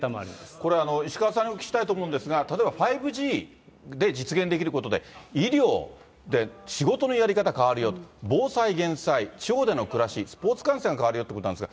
これ、石川さんにお聞きしたいと思うんですが、例えば５Ｇで実現できることで、医療で仕事のやり方変わるよと、防災・減災、地方での暮らし、スポーツ観戦変わるよということなんですが。